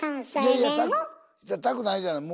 いやいや「たくない」じゃない。